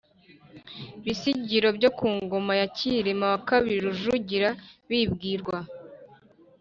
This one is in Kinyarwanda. bisigo byo ku ngoma ya cyirima wa kabiri rujugira bibwirwa